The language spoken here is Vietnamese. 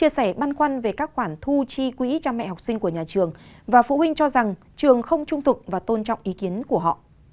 chia sẻ băn khoăn về các khoản thu chi quỹ cho mẹ học sinh của nhà trường và phụ huynh cho rằng trường không trung thực và tôn trọng ý kiến của họ